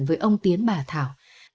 với ông tiến bà thảo